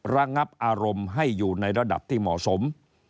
ระงับอารมณ์ให้อยู่ในระดับที่เหมาะสม